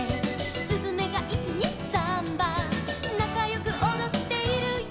「すずめが１・２・サンバ」「なかよくおどっているよ」